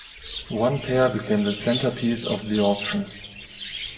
One pair became the centerpiece of the auction.